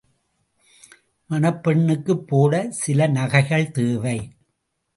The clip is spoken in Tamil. மணப்பெண்ணுக்குப் போட சில நகைகள் தேவை.